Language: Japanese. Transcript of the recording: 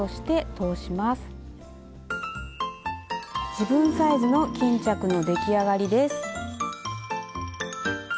自分サイズの巾着の出来上がりです。